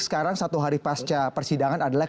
sekarang satu hari pasca persidangan adalah